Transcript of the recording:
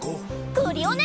クリオネ！